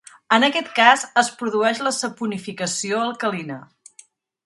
En aquest cas es produeix la saponificació alcalina.